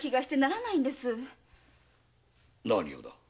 何をだい？